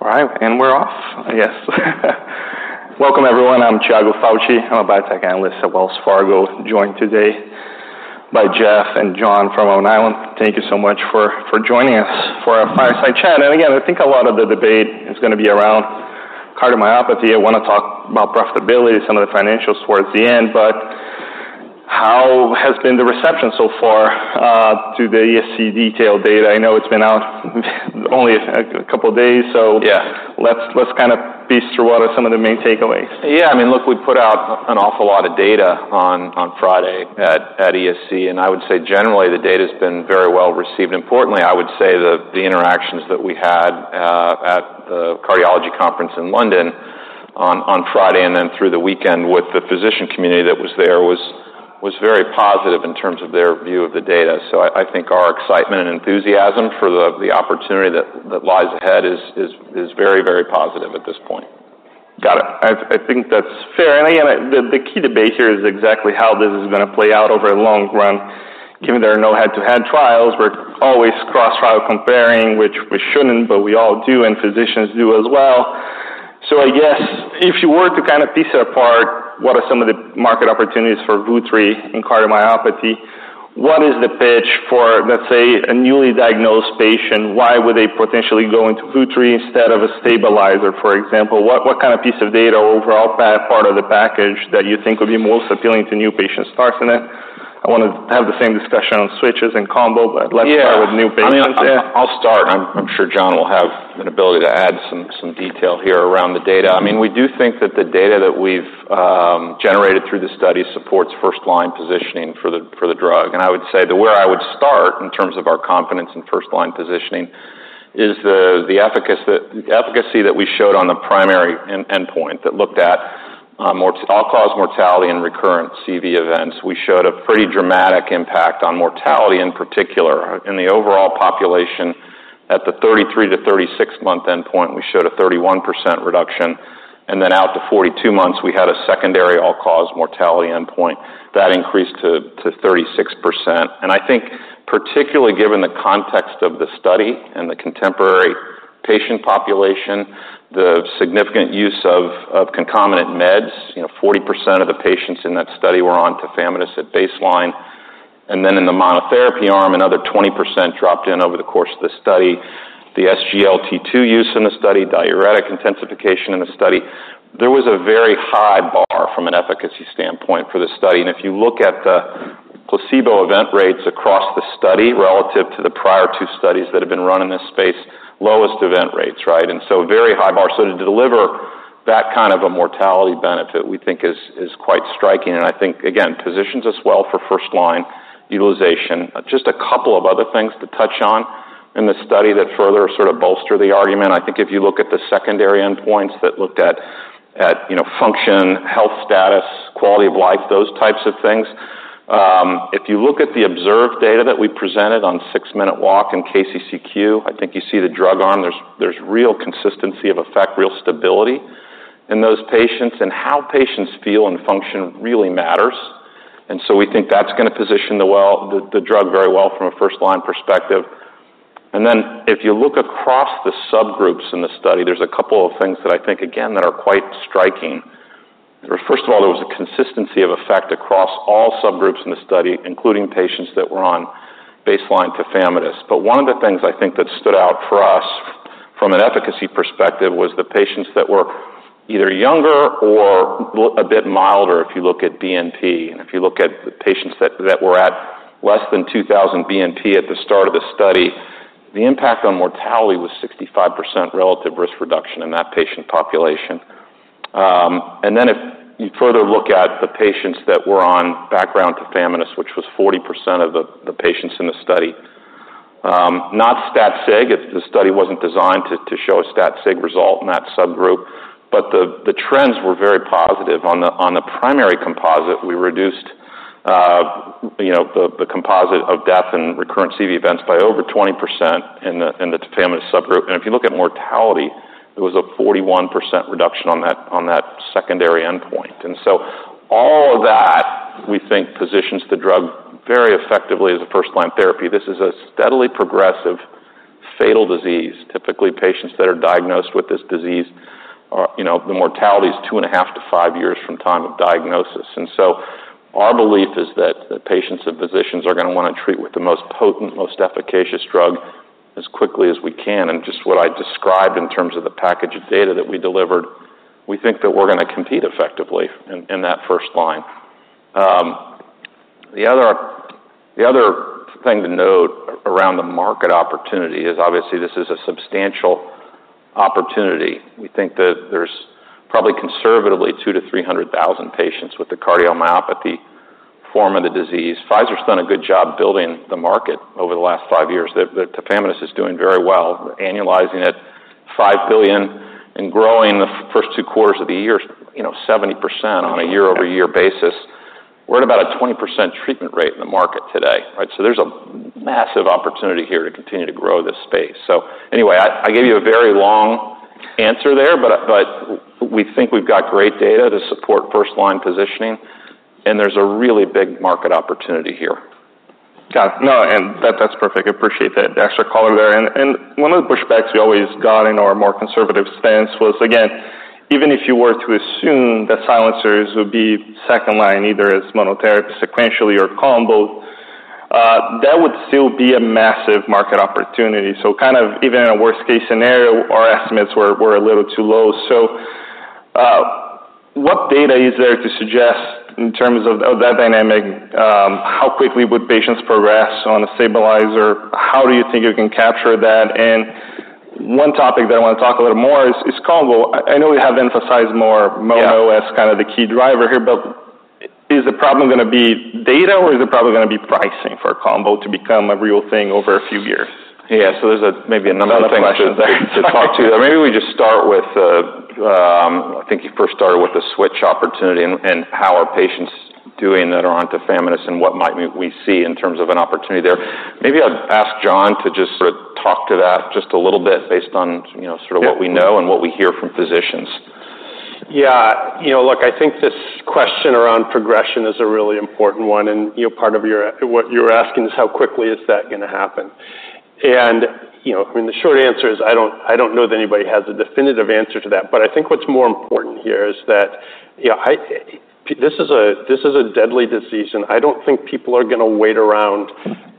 All right, and we're off, I guess. Welcome, everyone. I'm Tiago Fauth. I'm a biotech analyst at Wells Fargo, joined today by Jeff and John from Alnylam Pharmaceuticals. Thank you so much for joining us for our fireside chat. And again, I think a lot of the debate is gonna be around cardiomyopathy. I wanna talk about profitability, some of the financials towards the end, but how has been the reception so far to the ESC detailed data? I know it's been out only a couple of days. Yeah. Let's kind of piece through what are some of the main takeaways. Yeah, I mean, look, we put out an awful lot of data on Friday at ESC, and I would say generally, the data's been very well received. Importantly, I would say that the interactions that we had at the cardiology conference in London on Friday and then through the weekend with the physician community that was there was very positive in terms of their view of the data. So I think our excitement and enthusiasm for the opportunity that lies ahead is very positive at this point. Got it. I, I think that's fair. And again, the, the key debate here is exactly how this is gonna play out over a long run, given there are no head-to-head trials. We're always cross-trial comparing, which we shouldn't, but we all do, and physicians do as well. So I guess if you were to kind of piece it apart, what are some of the market opportunities for Vutrisiran in cardiomyopathy? What is the pitch for, let's say, a newly diagnosed patient? Why would they potentially go into Vutrisiran instead of a stabilizer, for example? What, what kind of piece of data overall part of the package that you think would be most appealing to new patient starts in it? I wanna have the same discussion on switches and combo, but let's- Yeah Start with new patients. I'll start. I'm sure John will have an ability to add some detail here around the data. I mean, we do think that the data that we've generated through the study supports first-line positioning for the drug. And I would say that where I would start in terms of our confidence in first-line positioning is the efficacy that we showed on the primary endpoint that looked at all-cause mortality and recurrent CV events. We showed a pretty dramatic impact on mortality, in particular. In the overall population, at the 33- to 36-month endpoint, we showed a 31% reduction, and then out to 42 months, we had a secondary all-cause mortality endpoint. That increased to 36%. And I think particularly given the context of the study and the contemporary patient population, the significant use of, of concomitant meds, you know, 40% of the patients in that study were on Tafamidis at baseline. And then in the monotherapy arm, another 20% dropped in over the course of the study. The SGLT2 use in the study, diuretic intensification in the study, there was a very high bar from an efficacy standpoint for this study. And if you look at the placebo event rates across the study relative to the prior two studies that have been run in this space, lowest event rates, right? And so very high bar. So to deliver that kind of a mortality benefit, we think is, is quite striking, and I think, again, positions us well for first-line utilization. Just a couple of other things to touch on in the study that further sort of bolster the argument. I think if you look at the secondary endpoints that looked at you know, function, health status, quality of life, those types of things. If you look at the observed data that we presented on six-minute walk in KCCQ, I think you see the drug arm. There's real consistency of effect, real stability in those patients, and how patients feel and function really matters. And so we think that's gonna position the drug very well from a first-line perspective. And then if you look across the subgroups in the study, there's a couple of things that I think, again, that are quite striking. First of all, there was a consistency of effect across all subgroups in the study, including patients that were on baseline Tafamidis. But one of the things I think that stood out for us from an efficacy perspective was the patients that were either younger or a bit milder, if you look at BNP. And if you look at the patients that were at less than 2,000 BNP at the start of the study, the impact on mortality was 65% relative risk reduction in that patient population. And then if you further look at the patients that were on background Tafamidis, which was 40% of the patients in the study, not stat sig, the study wasn't designed to show a stat sig result in that subgroup, but the trends were very positive. On the primary composite, we reduced you know the composite of death and recurrent CV events by over 20% in the Tafamidis subgroup. If you look at mortality, it was a 41% reduction on that, on that secondary endpoint. So all of that, we think, positions the drug very effectively as a first-line therapy. This is a steadily progressive fatal disease. Typically, patients that are diagnosed with this disease are, you know, the mortality is 2.5-5 years from time of diagnosis. Our belief is that the patients and physicians are gonna wanna treat with the most potent, most efficacious drug as quickly as we can. Just what I described in terms of the package of data that we delivered, we think that we're gonna compete effectively in, in that first line. The other, the other thing to note around the market opportunity is obviously this is a substantial opportunity. We think that there's probably conservatively two to three hundred thousand patients with the cardiomyopathy form of the disease. Pfizer's done a good job building the market over the last five years. The Tafamidis is doing very well, annualizing at $5 billion and growing the first two quarters of the year, you know, 70% on a year-over-year basis. We're at about a 20% treatment rate in the market today, right? So there's a massive opportunity here to continue to grow this space. So anyway, I gave you a very long answer there, but we think we've got great data to support first-line positioning, and there's a really big market opportunity here.... Got it. No, and that, that's perfect. I appreciate that extra color there. And one of the pushbacks we always got in our more conservative stance was, again, even if you were to assume that silencers would be second line, either as monotherapy, sequentially, or combo, that would still be a massive market opportunity. So kind of even in a worst-case scenario, our estimates were a little too low. So, what data is there to suggest in terms of, of that dynamic, how quickly would patients progress on a stabilizer? How do you think you can capture that? And one topic that I wanna talk a little more is combo. I know we have emphasized more- Yeah - Mono as kind of the key driver here, but is the problem gonna be data, or is the problem gonna be pricing for a combo to become a real thing over a few years? Yeah. So there's maybe another thing- Another question - to talk to. Maybe we just start with the switch opportunity and how are patients doing that are on Tafamidis and what might we see in terms of an opportunity there. Maybe I'll ask John to just sort of talk to that just a little bit based on, you know, sort of what we know- Yeah - and what we hear from physicians. Yeah. You know, look, I think this question around progression is a really important one, and, you know, part of what you're asking is, how quickly is that gonna happen? And, you know, I mean, the short answer is, I don't, I don't know that anybody has a definitive answer to that. But I think what's more important here is that, you know, this is a, this is a deadly disease, and I don't think people are gonna wait around,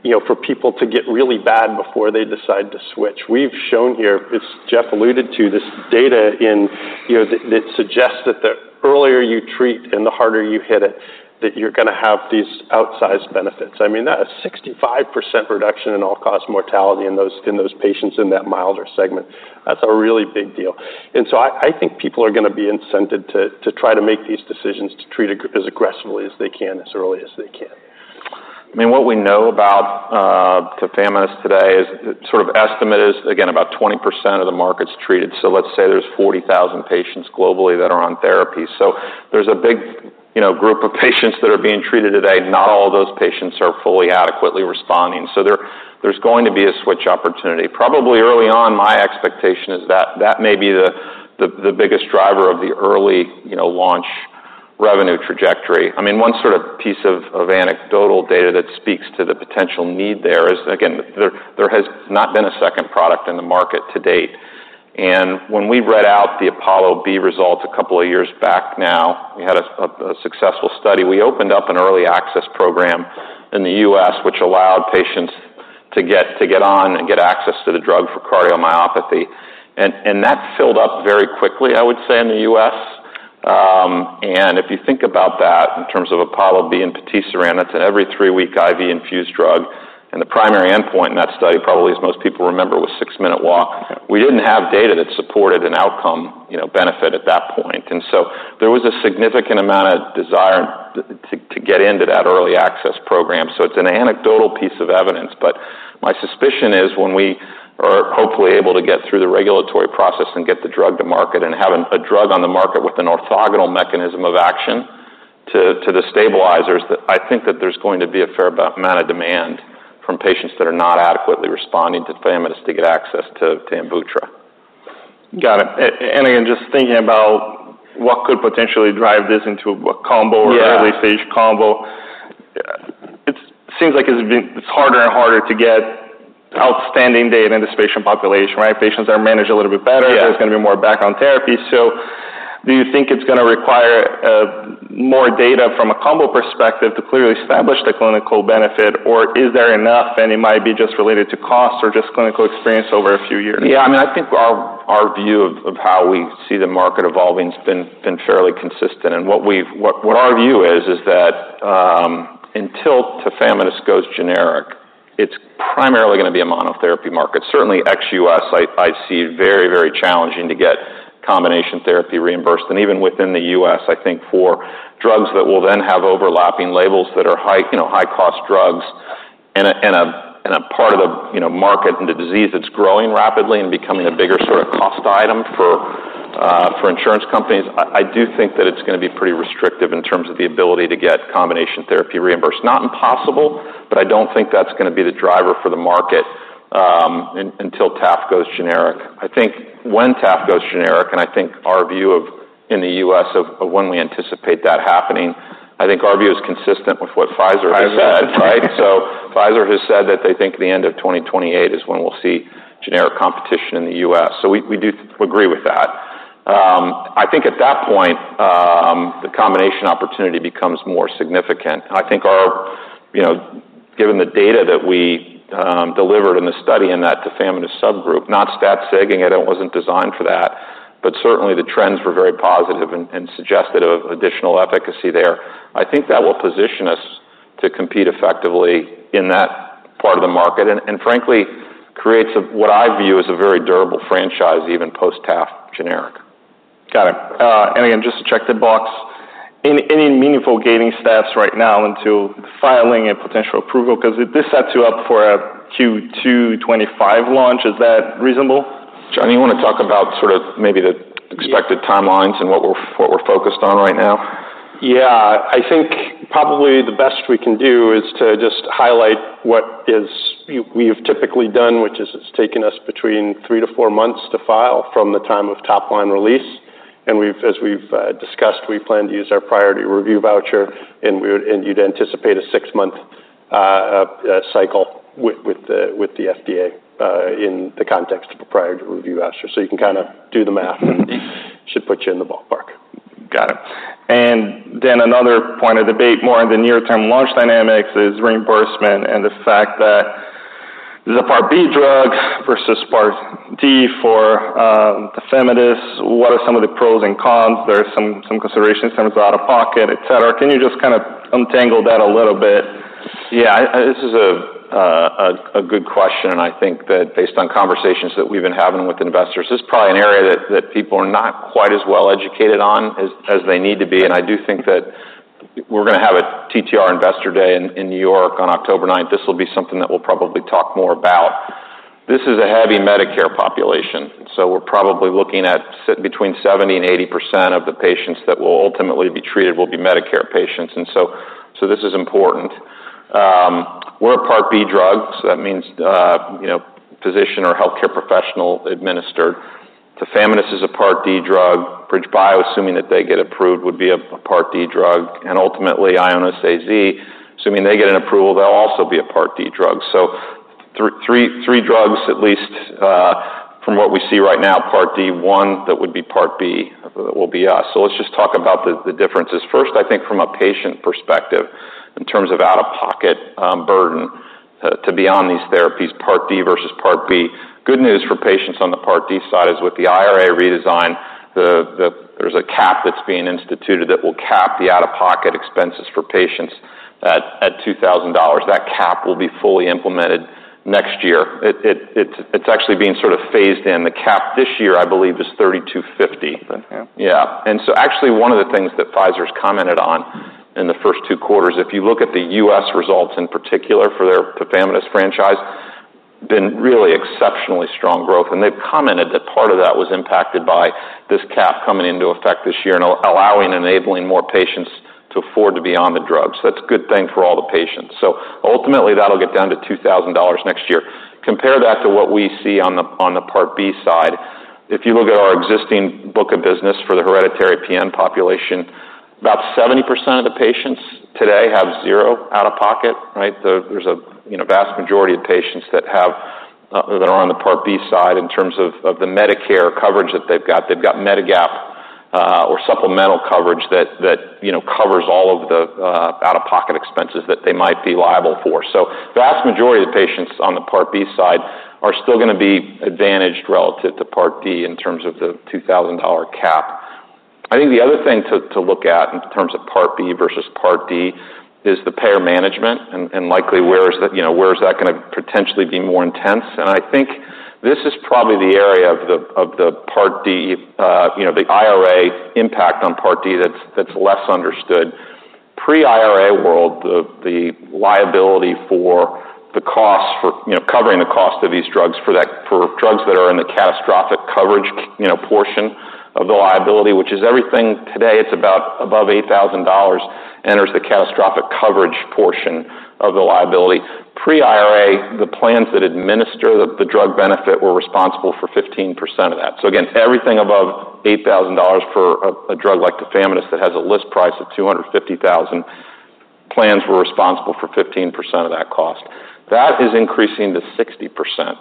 you know, for people to get really bad before they decide to switch. We've shown here, as Jeff alluded to, this data in, you know, that, that suggests that the earlier you treat and the harder you hit it, that you're gonna have these outsized benefits. I mean, that's a 65% reduction in all-cause mortality in those, in those patients in that milder segment, that's a really big deal. And so I, I think people are gonna be incented to, to try to make these decisions, to treat it as aggressively as they can, as early as they can. I mean, what we know about Tafamidis today is sort of estimate is, again, about 20% of the market's treated. So let's say there's 40,000 patients globally that are on therapy. So there's a big, you know, group of patients that are being treated today. Not all of those patients are fully adequately responding, so there, there's going to be a switch opportunity. Probably early on, my expectation is that that may be the biggest driver of the early, you know, launch revenue trajectory. I mean, one sort of piece of anecdotal data that speaks to the potential need there is, again, there has not been a second product in the market to date. And when we read out the APOLLO-B results a couple of years back now, we had a successful study. We opened up an early access program in the US, which allowed patients to get on and get access to the drug for cardiomyopathy, and that filled up very quickly, I would say, in the US. And if you think about that in terms of APOLLO-B and patisiran, it's an every three-week IV infused drug, and the primary endpoint in that study, probably as most people remember, was six-minute walk. Yeah. We didn't have data that supported an outcome, you know, benefit at that point, and so there was a significant amount of desire to get into that early access program. So it's an anecdotal piece of evidence, but my suspicion is when we are hopefully able to get through the regulatory process and get the drug to market and having a drug on the market with an orthogonal mechanism of action to the stabilizers, that I think that there's going to be a fair amount of demand from patients that are not adequately responding to tafamidis to get access to Amvuttra. Got it, and again, just thinking about what could potentially drive this into a combo. Yeah - or early-stage combo, it seems like it's been... It's harder and harder to get outstanding data in this patient population, right? Patients are managed a little bit better. Yeah. There's gonna be more background therapy. So do you think it's gonna require more data from a combo perspective to clearly establish the clinical benefit, or is there enough, and it might be just related to cost or just clinical experience over a few years? Yeah, I mean, I think our view of how we see the market evolving has been fairly consistent, and what our view is, is that, until Tafamidis goes generic, it's primarily gonna be a monotherapy market. Certainly, ex-U.S., I see it very, very challenging to get combination therapy reimbursed, and even within the U.S., I think for drugs that will then have overlapping labels that are high, you know, high-cost drugs in a part of the market, and the disease that's growing rapidly and becoming a bigger sort of cost item for insurance companies, I do think that it's gonna be pretty restrictive in terms of the ability to get combination therapy reimbursed. Not impossible, but I don't think that's gonna be the driver for the market, until TAF goes generic. I think when TAF goes generic, and I think our view of in the U.S., of when we anticipate that happening, I think our view is consistent with what Pfizer has said, right? So Pfizer has said that they think the end of 2028 is when we'll see generic competition in the U.S. So we do agree with that. I think at that point, the combination opportunity becomes more significant. I think our... You know, given the data that we delivered in the study in that Tafamidis subgroup, not stat sig, it wasn't designed for that, but certainly the trends were very positive and suggested of additional efficacy there. I think that will position us to compete effectively in that part of the market, and frankly, creates a what I view as a very durable franchise, even post TAF generic. Got it, and again, just to check the box. In any meaningful gaining stats right now into filing a potential approval, because if this sets you up for a Q2 2025 launch, is that reasonable? John, you wanna talk about sort of maybe the- Yeah - expected timelines and what we're focused on right now? Yeah. I think probably the best we can do is to just highlight what we have typically done, which is it's taken us between three to four months to file from the time of top-line release. ... and we've, as we've discussed, we plan to use our Priority Review Voucher, and we would, and you'd anticipate a six-month cycle with the FDA in the context of a Priority Review Voucher. So you can kind of do the math, and it should put you in the ballpark. Got it. And then another point of debate, more on the near-term launch dynamics, is reimbursement and the fact that the Part B drug versus Part D for Tafamidis. What are some of the pros and cons? There are some considerations in terms of out-of-pocket, et cetera. Can you just kind of untangle that a little bit? Yeah, this is a good question, and I think that based on conversations that we've been having with investors, this is probably an area that people are not quite as well educated on as they need to be, and I do think that we're gonna have a TTR Investor Day in New York on October ninth. This will be something that we'll probably talk more about. This is a heavy Medicare population, so we're probably looking at between 70% and 80% of the patients that will ultimately be treated will be Medicare patients, and this is important. We're a Part B drug, so that means, you know, physician or healthcare professional administered. Tafamidis is a Part D drug. BridgeBio, assuming that they get approved, would be a Part D drug, and ultimately Ionis AZ, assuming they get an approval, they'll also be a Part D drug. So three drugs, at least, from what we see right now, Part D, one that would be Part B, will be us. So let's just talk about the differences. First, I think from a patient perspective, in terms of out-of-pocket burden to be on these therapies, Part D versus Part B. Good news for patients on the Part D side is with the IRA redesign, there's a cap that's being instituted that will cap the out-of-pocket expenses for patients at $2,000. That cap will be fully implemented next year. It's actually being sort of phased in. The cap this year, I believe, is $3,250. Okay. Yeah. And so actually one of the things that Pfizer's commented on in the first two quarters, if you look at the U.S. results, in particular for their Tafamidis franchise, been really exceptionally strong growth. And they've commented that part of that was impacted by this cap coming into effect this year and allowing and enabling more patients to afford to be on the drugs. So that's a good thing for all the patients. So ultimately, that'll get down to $2,000 next year. Compare that to what we see on the Part B side. If you look at our existing book of business for the hereditary PN population, about 70% of the patients today have zero out-of-pocket, right? The... There's a, you know, vast majority of patients that are on the Part B side in terms of the Medicare coverage that they've got. They've got Medigap or supplemental coverage that, you know, covers all of the out-of-pocket expenses that they might be liable for. So the vast majority of patients on the Part B side are still gonna be advantaged relative to Part D in terms of the $2,000 cap. I think the other thing to look at in terms of Part B versus Part D is the payer management and likely where is that, you know, gonna potentially be more intense? And I think this is probably the area of the Part D, you know, the IRA impact on Part D that's less understood. Pre-IRA world, the liability for the cost for, you know, covering the cost of these drugs for drugs that are in the catastrophic coverage, you know, portion of the liability, which is everything today, it's about above $8,000, enters the catastrophic coverage portion of the liability. Pre-IRA, the plans that administer the drug benefit were responsible for 15% of that. So again, everything above $8,000 for a drug like Tafamidis that has a list price of $250,000, plans were responsible for 15% of that cost. That is increasing to 60%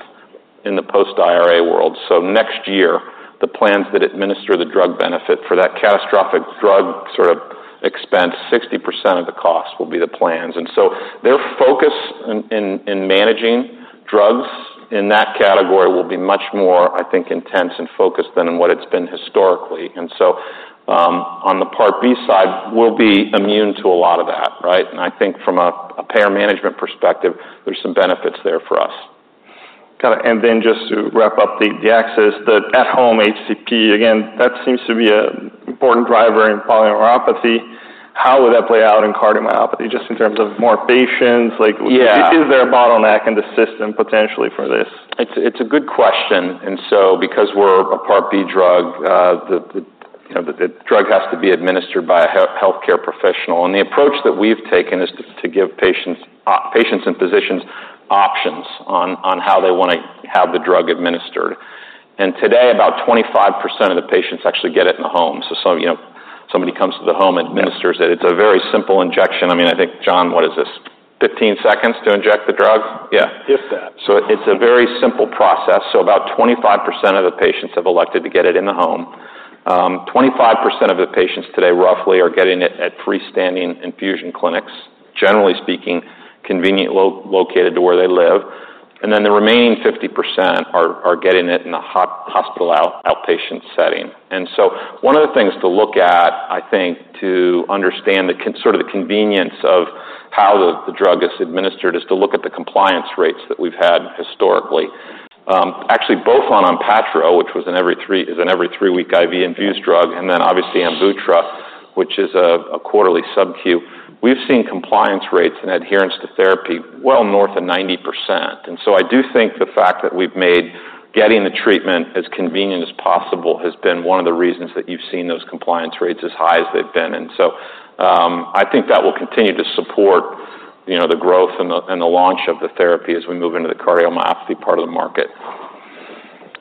in the post-IRA world. So next year, the plans that administer the drug benefit for that catastrophic drug sort of expense, 60% of the cost will be the plans. And so their focus in managing drugs in that category will be much more, I think, intense and focused than what it's been historically. And so, on the Part B side, we'll be immune to a lot of that, right? And I think from a payer management perspective, there's some benefits there for us. Got it. And then just to wrap up the access, the at-home HCP, again, that seems to be a important driver in polyneuropathy. How would that play out in cardiomyopathy, just in terms of more patients? Like- Yeah. Is there a bottleneck in the system potentially for this? It's a good question, and so because we're a Part B drug, you know, the drug has to be administered by a healthcare professional. And the approach that we've taken is to give patients and physicians options on how they want to have the drug administered. And today, about 25% of the patients actually get it in the home. So some, you know, somebody comes to the home, administers it. Yeah. It's a very simple injection. I mean, I think, John, what is this, 15 seconds to inject the drug? Yeah. If that. So it's a very simple process. So about 25% of the patients have elected to get it in the home. Twenty-five percent of the patients today, roughly, are getting it at freestanding infusion clinics, generally speaking, conveniently located to where they live. And then the remaining 50% are getting it in a hospital outpatient setting. And so one of the things to look at, I think, to understand the sort of the convenience of how the, the drug is administered, is to look at the compliance rates that we've had historically. Actually, both on Onpattro, which is an every three-week IV infused drug, and then obviously Amvuttra, which is a quarterly subQ. We've seen compliance rates and adherence to therapy well north of 90%. And so I do think the fact that we've made getting the treatment as convenient as possible has been one of the reasons that you've seen those compliance rates as high as they've been. And so, I think that will continue to support you know, the growth and the launch of the therapy as we move into the cardiomyopathy part of the market.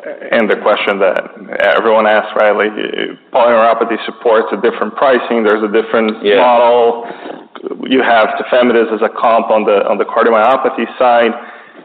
The question that everyone asks, Riley, polyneuropathy supports a different pricing. There's a different model. Yes. You have Tafamidis as a comp on the cardiomyopathy side.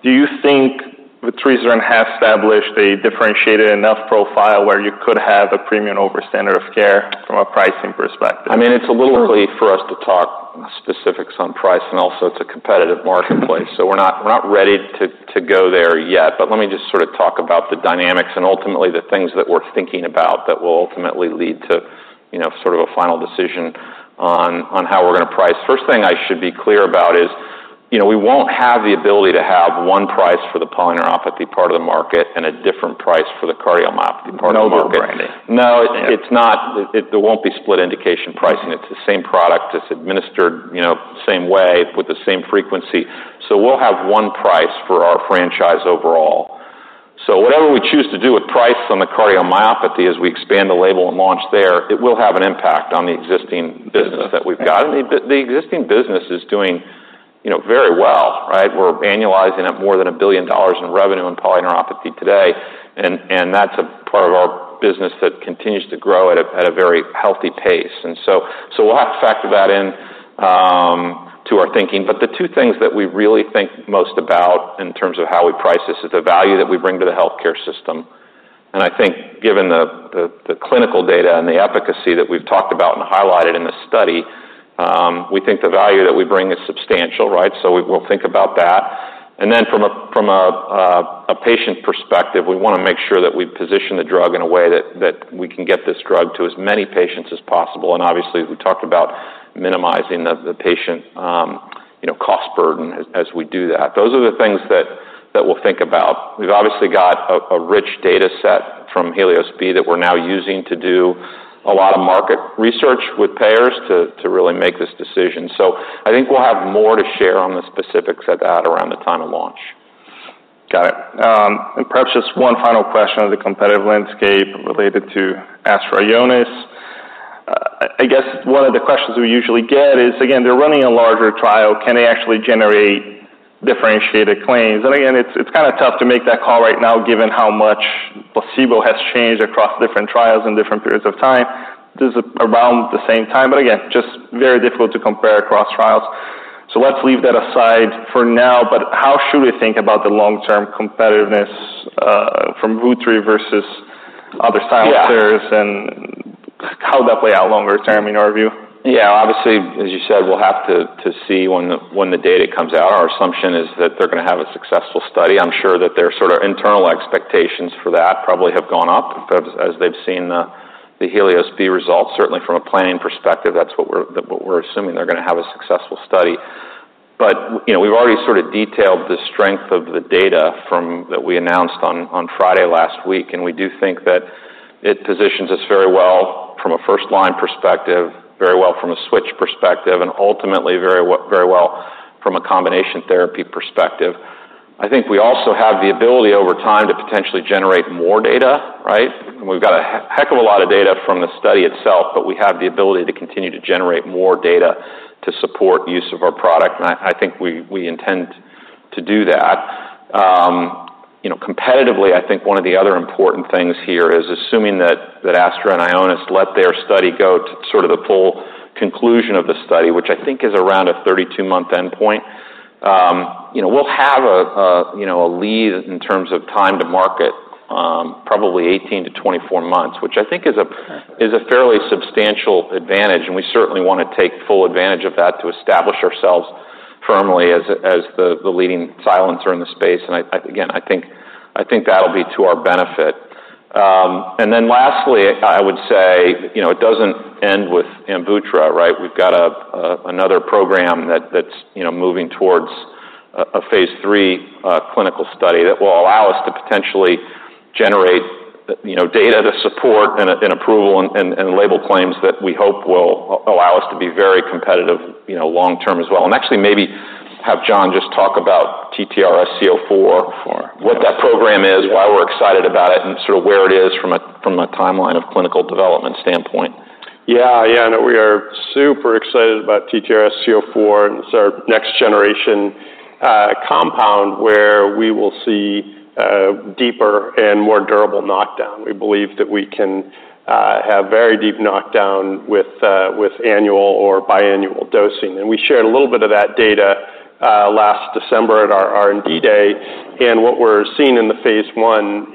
Do you think Vutrisiran has established a differentiated enough profile where you could have a premium over standard of care from a pricing perspective? I mean, it's a little early for us to talk specifics on price, and also it's a competitive marketplace, so we're not ready to go there yet, but let me just sort of talk about the dynamics and ultimately the things that we're thinking about that will ultimately lead to, you know, sort of a final decision on how we're going to price. First thing I should be clear about is, you know, we won't have the ability to have one price for the polyneuropathy part of the market and a different price for the cardiomyopathy part of the market. No branding. No, it's not. There won't be split indication pricing. It's the same product. It's administered, you know, same way with the same frequency. So we'll have one price for our franchise overall. So whatever we choose to do with price on the cardiomyopathy, as we expand the label and launch there, it will have an impact on the existing business that we've got. And the existing business is doing, you know, very well, right? We're annualizing at more than $1 billion in revenue and polyneuropathy today, and that's a part of our business that continues to grow at a very healthy pace. And so we'll have to factor that in to our thinking. But the two things that we really think most about in terms of how we price this is the value that we bring to the healthcare system. And I think given the clinical data and the efficacy that we've talked about and highlighted in this study, we think the value that we bring is substantial, right? So we'll think about that. And then from a patient perspective, we want to make sure that we position the drug in a way that we can get this drug to as many patients as possible. And obviously, we talked about minimizing the patient, you know, cost burden as we do that. Those are the things that we'll think about. We've obviously got a rich data set from HELIOS-B that we're now using to do a lot of market research with payers to really make this decision. So I think we'll have more to share on the specifics of that around the time of launch. Got it. And perhaps just one final question on the competitive landscape related to AstraZeneca. I guess one of the questions we usually get is, again, they're running a larger trial. Can they actually generate differentiated claims? And again, it's kind of tough to make that call right now, given how much placebo has changed across different trials and different periods of time. This is around the same time, but again, just very difficult to compare across trials. So let's leave that aside for now. But how should we think about the long-term competitiveness from vutrisiran versus other silencers? Yeah and how would that play out longer term, in your view? Yeah. Obviously, as you said, we'll have to see when the data comes out. Our assumption is that they're going to have a successful study. I'm sure that their sort of internal expectations for that probably have gone up as they've seen the HELIOS-B results. Certainly, from a planning perspective, that's what we're assuming they're going to have a successful study. But, you know, we've already sort of detailed the strength of the data from that we announced on Friday last week, and we do think that it positions us very well from a first-line perspective, very well from a switch perspective, and ultimately, very well from a combination therapy perspective. I think we also have the ability over time to potentially generate more data, right? We've got a heck of a lot of data from the study itself, but we have the ability to continue to generate more data to support use of our product, and I think we intend to do that. You know, competitively, I think one of the other important things here is assuming that Astra and Ionis let their study go to sort of the full conclusion of the study, which I think is around a 32-month endpoint. You know, we'll have a lead in terms of time to market, probably 18-24 months, which I think is a- Okay... is a fairly substantial advantage, and we certainly want to take full advantage of that to establish ourselves firmly as the leading silencer in the space. And again, I think that'll be to our benefit. And then lastly, I would say, you know, it doesn't end with Amvuttra, right? We've got another program that's moving towards a phase 3 clinical study that will allow us to potentially generate data to support approval and label claims that we hope will allow us to be very competitive long term as well. And actually, maybe have John just talk about ALN-TTRsc04- Four. What that program is, why we're excited about it, and sort of where it is from a timeline of clinical development standpoint. Yeah. Yeah, I know we are super excited about ALN-TTRsc04, and it's our next generation compound, where we will see deeper and more durable knockdown. We believe that we can have very deep knockdown with annual or biannual dosing. We shared a little bit of that data last December at our R&D day. What we're seeing in the phase 1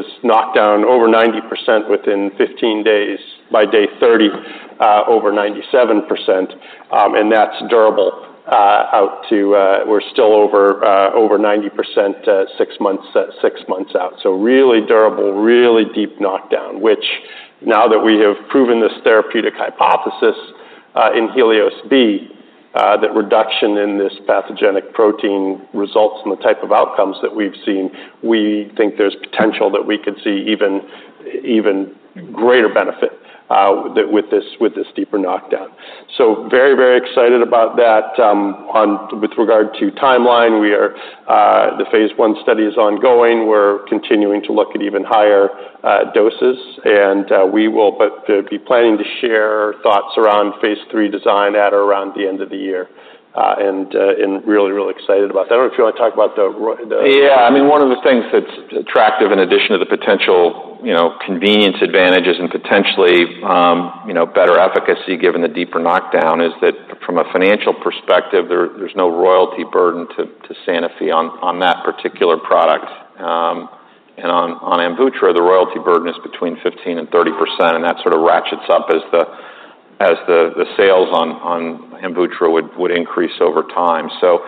is knockdown over 90% within fifteen days, by day 30, over 97%. That's durable out to... we're still over 90%, six months out. So really durable, really deep knockdown, which now that we have proven this therapeutic hypothesis, in HELIOS-B, that reduction in this pathogenic protein results in the type of outcomes that we've seen, we think there's potential that we could see even-... even greater benefit that with this, with this deeper knockdown. So very, very excited about that. On with regard to timeline, we are the phase 1 study is ongoing. We're continuing to look at even higher doses, and be planning to share thoughts around phase 3 design at around the end of the year, and really, really excited about that. I don't know if you wanna talk about the Roche- the- Yeah, I mean, one of the things that's attractive, in addition to the potential, you know, convenience, advantages, and potentially, you know, better efficacy, given the deeper knockdown, is that from a financial perspective, there's no royalty burden to Sanofi on that particular product, and on Amvuttra, the royalty burden is between 15% and 30%, and that sort of ratchets up as the sales on Amvuttra would increase over time, so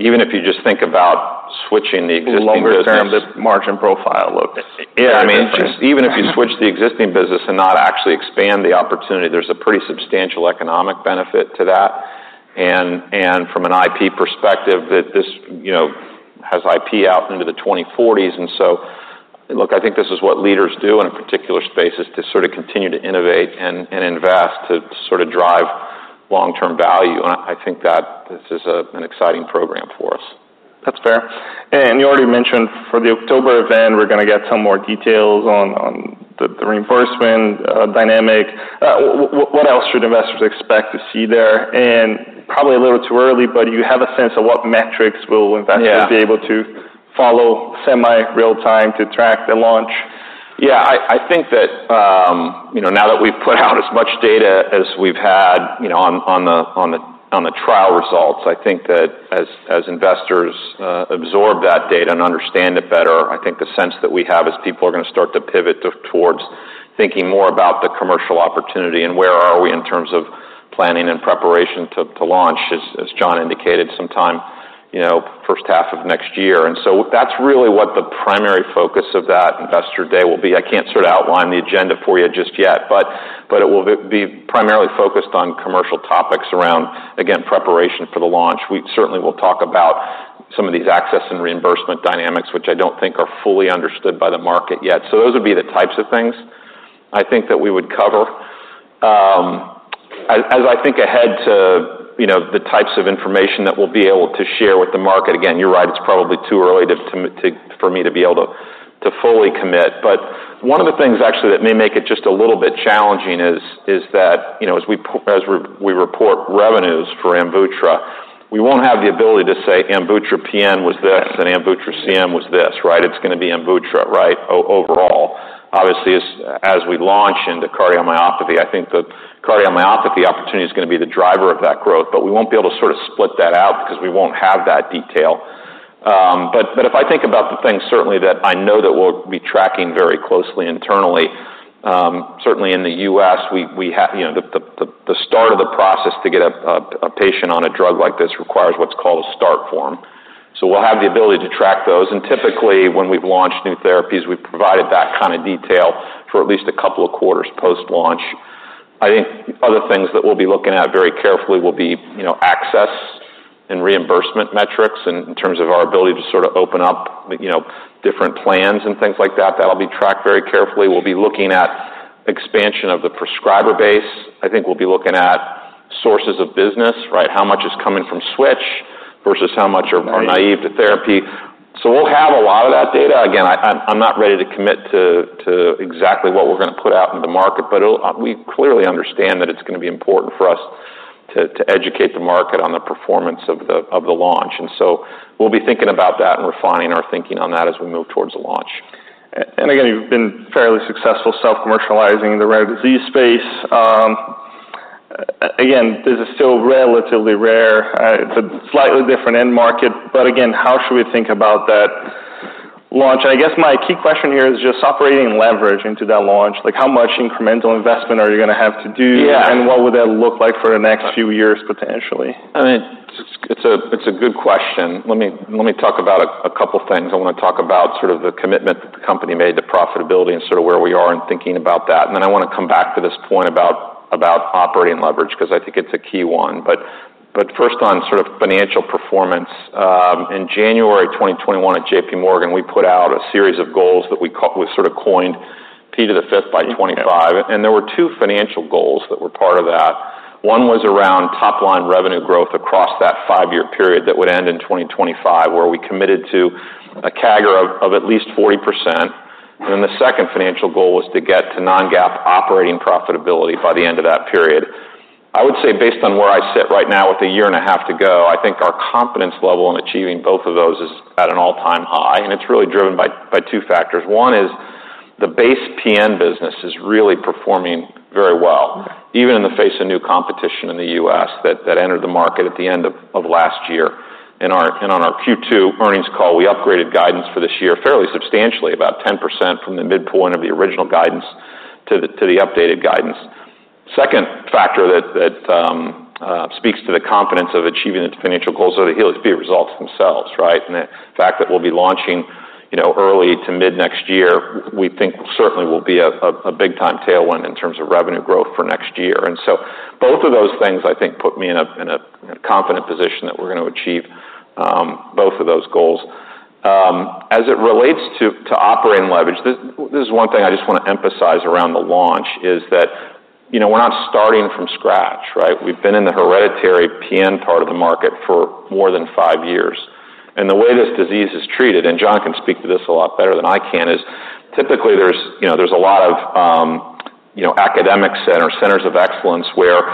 even if you just think about switching the existing business- Longer term, the margin profile looks- Yeah, I mean, just even if you switch the existing business and not actually expand the opportunity, there's a pretty substantial economic benefit to that. And, and from an IP perspective, that this, you know, has IP out into the 2040s. And so, look, I think this is what leaders do in a particular space, is to sort of continue to innovate and, and invest, to, to sort of drive long-term value, and I, I think that this is a, an exciting program for us. That's fair. And you already mentioned, for the October event, we're gonna get some more details on the reimbursement dynamic. What else should investors expect to see there? And probably a little too early, but do you have a sense of what metrics will investors- Yeah... be able to follow semi-real time to track the launch? Yeah, I think that, you know, now that we've put out as much data as we've had, you know, on the trial results, I think that as investors absorb that data and understand it better, I think the sense that we have is people are gonna start to pivot towards thinking more about the commercial opportunity and where are we in terms of planning and preparation to launch, as John indicated, sometime, you know, first half of next year. And so that's really what the primary focus of that investor day will be. I can't sort of outline the agenda for you just yet, but it will be primarily focused on commercial topics around, again, preparation for the launch. We certainly will talk about some of these access and reimbursement dynamics, which I don't think are fully understood by the market yet. So those would be the types of things I think that we would cover. As I think ahead to, you know, the types of information that we'll be able to share with the market, again, you're right, it's probably too early to for me to be able to fully commit. But one of the things actually that may make it just a little bit challenging is that, you know, as we report revenues for Amvuttra, we won't have the ability to say Amvuttra PN was this, and Amvuttra CM was this, right? It's gonna be Amvuttra, right, overall. Obviously, as we launch into cardiomyopathy, I think the cardiomyopathy opportunity is gonna be the driver of that growth, but we won't be able to sort of split that out because we won't have that detail, but if I think about the things certainly that I know that we'll be tracking very closely internally, certainly in the U.S., we have, you know, the start of the process to get a patient on a drug like this requires what's called a start form. So we'll have the ability to track those, and typically, when we've launched new therapies, we've provided that kind of detail for at least a couple of quarters post-launch. I think other things that we'll be looking at very carefully will be, you know, access and reimbursement metrics in terms of our ability to sort of open up, you know, different plans and things like that. That'll be tracked very carefully. We'll be looking at expansion of the prescriber base. I think we'll be looking at sources of business, right? How much is coming from switch versus how much are- Right... are naive to therapy. So we'll have a lot of that data. Again, I'm not ready to commit to exactly what we're gonna put out into the market, but it'll. We clearly understand that it's gonna be important for us to educate the market on the performance of the launch, and so we'll be thinking about that and refining our thinking on that as we move towards the launch. And again, you've been fairly successful self-commercializing the rare disease space. Again, this is still relatively rare. It's a slightly different end market, but again, how should we think about that launch? I guess my key question here is just operating leverage into that launch. Like, how much incremental investment are you gonna have to do? Yeah. What would that look like for the next few years, potentially? I mean, it's a good question. Let me talk about a couple things. I wanna talk about sort of the commitment that the company made to profitability and sort of where we are in thinking about that. And then I wanna come back to this point about operating leverage, 'cause I think it's a key one. But first on sort of financial performance, in January 2021, at JPMorgan, we put out a series of goals that we sort of coined P5x25. Yeah. And there were two financial goals that were part of that. One was around top-line revenue growth across that five-year period that would end in 2025, where we committed to a CAGR of at least 40%. And then the second financial goal was to get to non-GAAP operating profitability by the end of that period. I would say based on where I sit right now, with a year and a half to go, I think our confidence level in achieving both of those is at an all-time high, and it's really driven by two factors. One is the base PN business is really performing very well, even in the face of new competition in the US, that entered the market at the end of last year. In our and on our Q2 earnings call, we upgraded guidance for this year fairly substantially, about 10% from the midpoint of the original guidance to the updated guidance. Second factor that speaks to the confidence of achieving the financial goals are the HELIOS-B results themselves, right? And the fact that we'll be launching, you know, early to mid-next year, we think certainly will be a big time tailwind in terms of revenue growth for next year. And so both of those things, I think, put me in a confident position that we're gonna achieve both of those goals. As it relates to operating leverage, this is one thing I just want to emphasize around the launch, is that, you know, we're not starting from scratch, right? We've been in the hereditary PN part of the market for more than five years. And the way this disease is treated, and John can speak to this a lot better than I can, is typically you know there's a lot of academic centers of excellence, where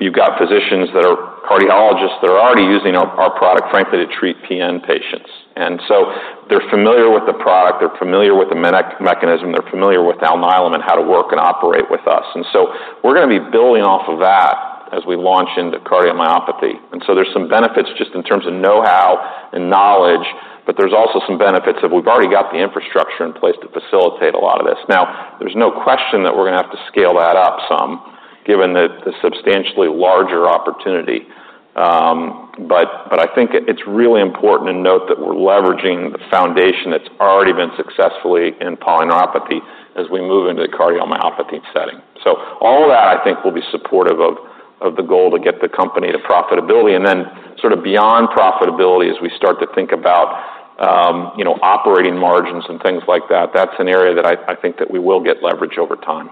you've got physicians that are cardiologists that are already using our product, frankly, to treat PN patients. And so they're familiar with the product, they're familiar with the mechanism, they're familiar with Alnylam and how to work and operate with us. And so we're gonna be building off of that as we launch into cardiomyopathy. And so there's some benefits just in terms of know-how and knowledge, but there's also some benefits of we've already got the infrastructure in place to facilitate a lot of this. Now, there's no question that we're gonna have to scale that up some, given the substantially larger opportunity. But I think it's really important to note that we're leveraging the foundation that's already been successful in polyneuropathy as we move into the cardiomyopathy setting. So all of that, I think, will be supportive of the goal to get the company to profitability, and then sort of beyond profitability as we start to think about, you know, operating margins and things like that. That's an area that I think that we will get leverage over time.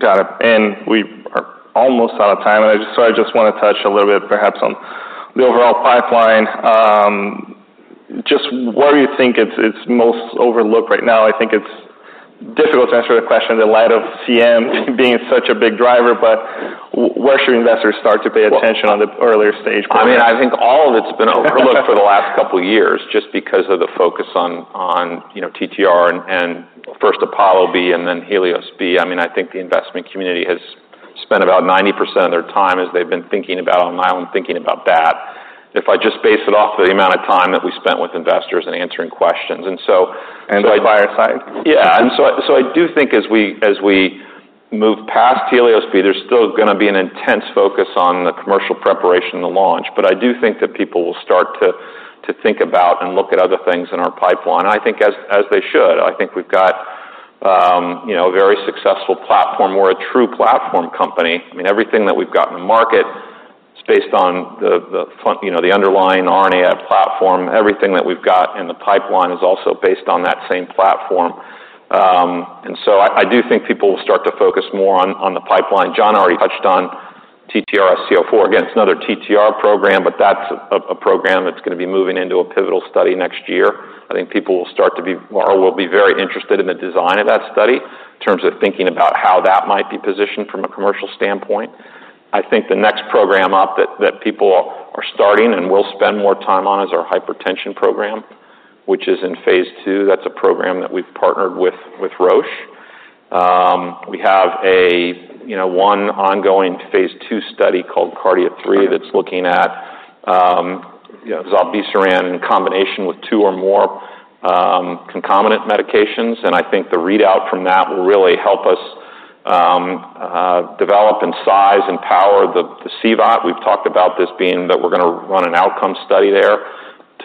Got it. And we are almost out of time, and I just, so I just wanna touch a little bit perhaps on the overall pipeline. Just where do you think it's most overlooked right now? I think it's difficult to answer the question in the light of CM being such a big driver, but where should investors start to pay attention on the earlier stage? I mean, I think all of it's been overlooked - for the last couple of years just because of the focus on, on, you know, TTR and, and first APOLLO-B and then HELIOS-B. I mean, I think the investment community has spent about 90% of their time as they've been thinking about Alnylam, thinking about that. If I just base it off the amount of time that we spent with investors and answering questions, and so- The buyer side. Yeah. And so I, so I do think as we, as we move past Helios-B, there's still gonna be an intense focus on the commercial preparation and the launch. But I do think that people will start to, to think about and look at other things in our pipeline, and I think as, as they should. I think we've got, you know, a very successful platform. We're a true platform company. I mean, everything that we've got in the market is based on the, the, you know, the underlying RNAi platform. Everything that we've got in the pipeline is also based on that same platform. And so I, I do think people will start to focus more on, on the pipeline. John already touched on TTRsc04. Again, it's another TTR program, but that's a, a program that's gonna be moving into a pivotal study next year. I think people will start to be, or will be very interested in the design of that study, in terms of thinking about how that might be positioned from a commercial standpoint. I think the next program up that people are starting and will spend more time on is our hypertension program, which is in phase 2. That's a program that we've partnered with Roche. We have a, you know, one ongoing phase 2 study called KARDIA-3, that's looking at, you know, zilebesiran in combination with two or more concomitant medications. And I think the readout from that will really help us develop and size and power the CVOT. We've talked about this being that we're gonna run an outcome study there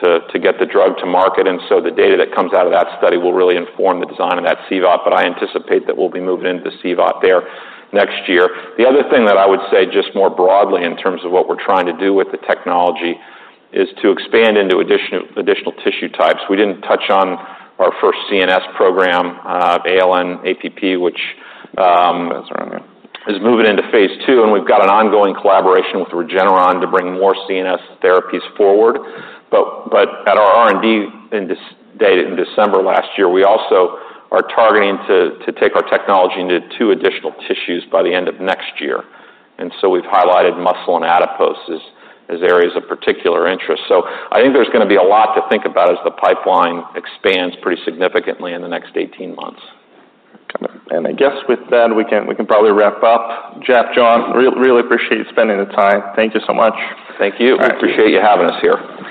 to get the drug to market, and so the data that comes out of that study will really inform the design of that CVOT. But I anticipate that we'll be moving into the CVOT there next year. The other thing that I would say, just more broadly in terms of what we're trying to do with the technology, is to expand into additional tissue types. We didn't touch on our first CNS program, ALN-APP, which, That's around, yeah.... is moving into phase 2, and we've got an ongoing collaboration with Regeneron to bring more CNS therapies forward. But at our R&D Day in December last year, we also are targeting to take our technology into two additional tissues by the end of next year. We've highlighted muscle and adipose as areas of particular interest. I think there's gonna be a lot to think about as the pipeline expands pretty significantly in the next eighteen months. Got it. And I guess with that, we can probably wrap up. Jeff, John, really appreciate you spending the time. Thank you so much. Thank you. Thank you. We appreciate you having us here.